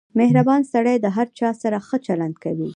• مهربان سړی د هر چا سره ښه چلند کوي.